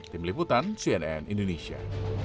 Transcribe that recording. tim liputan cnn indonesia